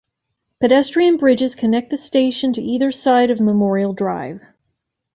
Pedestrian bridges connect the station to either side of Memorial Drive.